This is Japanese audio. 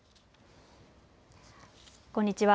こんにちは。